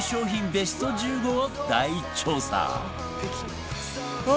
ベスト１５を大調査